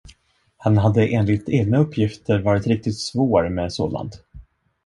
Han hade enligt egna uppgifter varit riktigt svår med sådant.